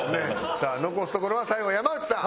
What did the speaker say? さあ残すところは最後山内さん。